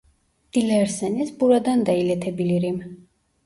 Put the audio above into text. Dilerseniz buradan da iletebilirim